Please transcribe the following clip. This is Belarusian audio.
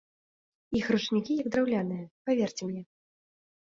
Іх ручнікі як драўляныя, паверце мне.